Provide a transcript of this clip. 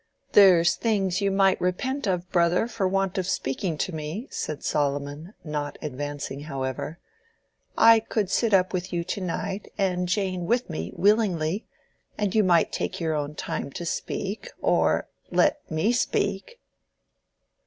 "There's things you might repent of, Brother, for want of speaking to me," said Solomon, not advancing, however. "I could sit up with you to night, and Jane with me, willingly, and you might take your own time to speak, or let me speak."